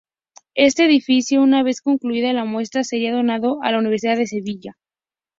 Este edificio, una vez concluida la muestra, sería donado a la Universidad de Sevilla.